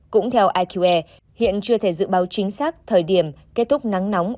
cũng theo iqa hiện chưa thể dự báo chính xác thời điểm kết thúc nắng nóng